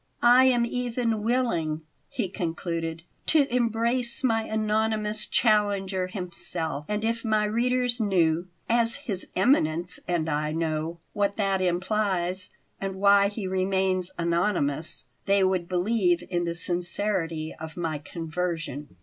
"I am even willing," he concluded; "to embrace my anonymous challenger himself; and if my readers knew, as his Eminence and I know, what that implies and why he remains anonymous, they would believe in the sincerity of my conversion."